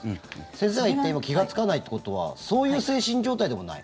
先生が言った気がつかないっていうことはそういう精神状態でもない？